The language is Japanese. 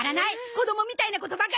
子供みたいなことばかり言って！